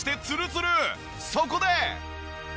そこで。